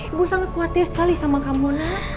ibu sangat khawatir sekali sama kamu nana